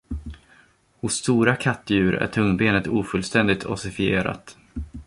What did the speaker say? Hos stora kattdjur är tungbenet ofullständigt ossifierat.